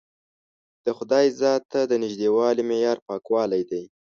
د خدای ذات ته د نژدېوالي معیار پاکوالی دی.